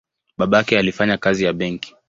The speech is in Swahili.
Babake alifanya kazi ya benki.